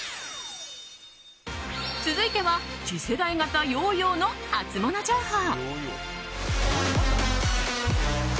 続いては、次世代型ヨーヨーのハツモノ情報。